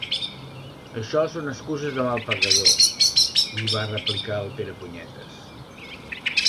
Això són excuses de mal pagador! —li va replicar el Perepunyetes—